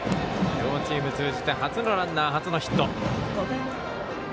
両チーム通じて初のランナー、初のヒット。